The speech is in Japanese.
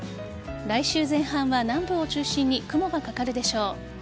来週前半は南部を中心に雲がかかるでしょう。